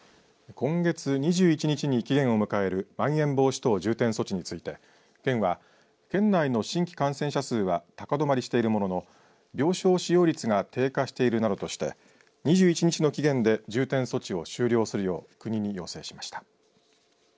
今月２１日に期限を迎えるまん延防止等重点措置について県は県内の新規感染者数は高止まりしているものの病床使用率が低下しているなどとして２１日の期限で重点措置を終了するよう国に要請しました。